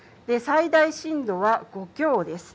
最大震度は５強です。